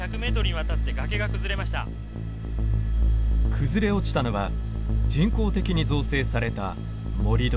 崩れ落ちたのは人工的に造成された盛土。